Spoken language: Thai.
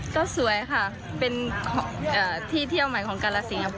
ก็สวยค่ะเป็นที่เที่ยวใหม่ของกาลสินครับ